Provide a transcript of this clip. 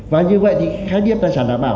và như vậy thì khái niệm tài sản đảm bảo